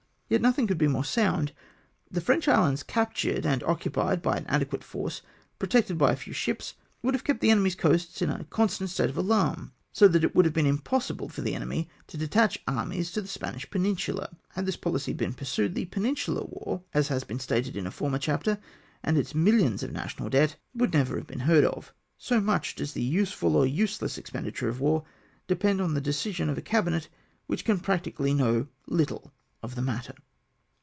Yet no thing could be more sound. The French islands cap tured, and occupied by an adequate force, protected by a few ships, would have kept the enemy's coasts in a constant state of alarm, so that it would have been impossible for the enemy to detach armies to the Spanish peninsula ; had this poKcy been pursued, the Peninsular war, as has been stated in a former chapter, and its millions of National Debt, would never have been heard of. So much does the useful or use less expenditure of war depend on the decision of a cabinet, whicli can practically know httle of the matter.